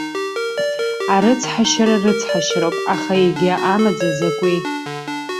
Арыцҳашьара рыцҳашьароуп, аха егьи амаӡа закәи?